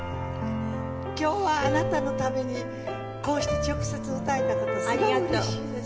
今日はあなたのためにこうして直接歌えた事すごいうれしいです。